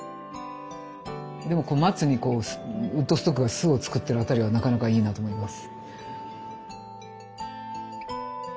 でも松にウッドストックが巣を作ってるあたりがなかなかいいなと思います。